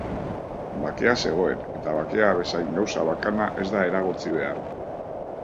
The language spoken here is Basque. Bakea zegoen, eta bakea bezain gauza bakana ez da eragotzi behar.